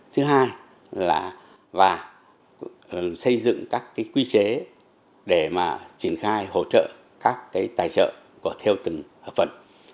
thứ hai là và xây dựng các cái quy chế để mà triển khai hỗ trợ các cái tài trợ của theo từng hợp phận